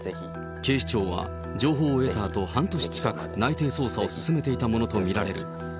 警視庁は、情報を得たあと半年近く、内偵捜査を進めていたものと見られる。